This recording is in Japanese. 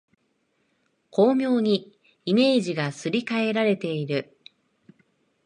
巧妙にイメージがすり替えられている